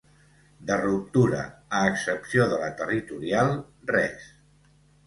De ruptura, a excepció de la territorial, res.